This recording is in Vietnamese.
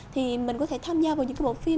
thì mình có thể tham gia vào những cái bộ phim